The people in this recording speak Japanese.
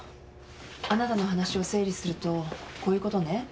あなたの話を整理するとこういうことね。